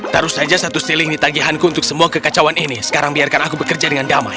taruh saja satu seling di tagihanku untuk semua kekacauan ini sekarang biarkan aku bekerja dengan damai